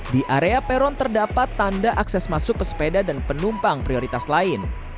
di area peron terdapat tanda akses masuk pesepeda dan penumpang prioritas lain